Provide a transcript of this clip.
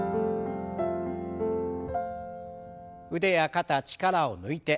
腕や肩力を抜いて。